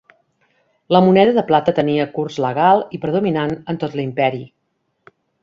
La moneda de plata tenia curs legal i predominant en tot l'Imperi.